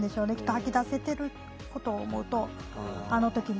吐き出せてることを思うとあの時に。